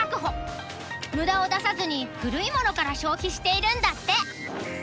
無駄を出さずに古いものから消費しているんだって。